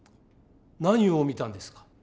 何を見たんですか？